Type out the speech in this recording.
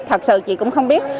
thật sự chị cũng không biết